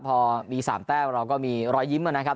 พอมี๓แต้มเราก็มีรอยยิ้มนะครับ